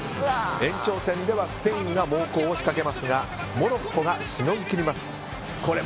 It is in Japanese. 延長戦ではスペインが猛攻を仕掛けますがモロッコがしのぎきります。